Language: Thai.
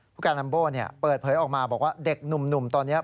การลัมโบเปิดเผยออกมาบอกว่าเด็กหนุ่มตอนนี้